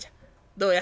どうや？